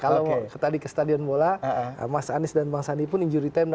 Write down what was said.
kalau tadi ke stadion bola mas anies dan bang sandi pun injury time